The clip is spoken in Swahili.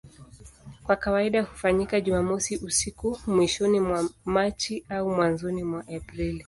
Kwa kawaida hufanyika Jumamosi usiku mwishoni mwa Machi au mwanzoni mwa Aprili.